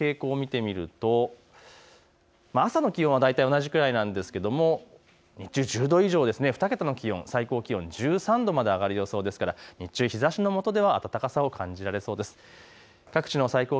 あすの気温の傾向を見てみると朝の気温は大体同じくらいなんですが１０度以上、２桁の気温最高気温１３度まで上がる予想ですから日中日ざしのもとでは暖かさを感じられそうです。